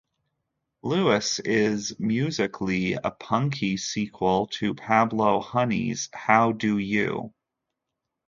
"Lewis" is musically a punky sequel to "Pablo Honey"'s "How Do You?